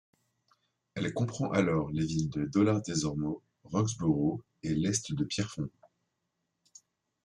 Elle comprend alors les villes de Dollard-des-Ormeaux, Roxboro et l'est de Pierrefonds.